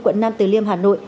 quận nam từ liêm hà nội